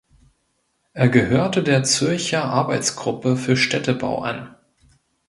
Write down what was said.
Er gehörte der Zürcher Arbeitsgruppe für Städtebau an.